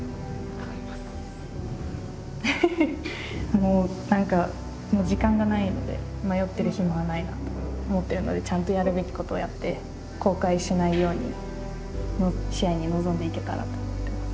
もう何か時間がないので迷ってる暇はないなと思ってるのでちゃんとやるべきことをやって後悔しないように試合に臨んでいけたらと思ってます。